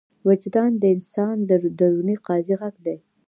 وجدان د انسان د دروني قاضي غږ دی.